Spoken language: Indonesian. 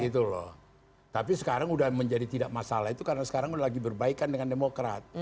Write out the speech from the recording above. tapi sekarang sudah menjadi tidak masalah itu karena sekarang udah lagi berbaikan dengan demokrat